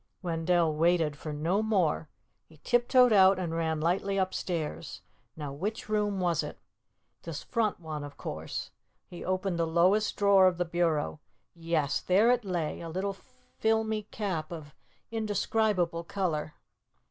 Wendell waited for no more. He tiptoed out and ran lightly upstairs. Now, which room was it? This front one, of course. He opened the lowest drawer of the bureau. Yes, there it lay, a little filmy cap of indescribable color.